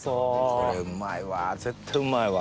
これうまいわ絶対うまいわ。